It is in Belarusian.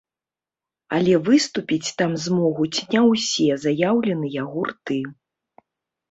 Але выступіць там змогуць не ўсе заяўленыя гурты.